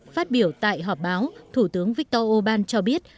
phát biểu tại họp báo thủ tướng viktor orbán cho biết